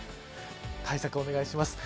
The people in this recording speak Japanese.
対策をお願いします。